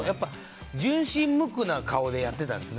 純真無垢な顔でやってたんですよ